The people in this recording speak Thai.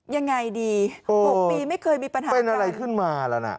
ยังไงดี๖ปีไม่เคยมีปัญหาเป็นอะไรขึ้นมาแล้วนะ